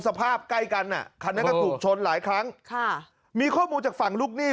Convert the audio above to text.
สภาพใกล้กันอ่ะคันนั้นก็ถูกชนหลายครั้งค่ะมีข้อมูลจากฝั่งลูกหนี้